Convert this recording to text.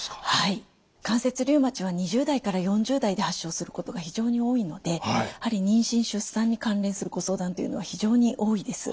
関節リウマチは２０代から４０代で発症することが非常に多いのでやはり妊娠・出産に関連するご相談っていうのは非常に多いです。